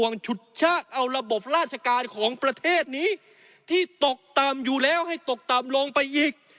ฉุดชะเอาระบบราชการของประเทศนี้ที่ตกต่ำอยู่แล้วให้ตกต่ำลงไปอีก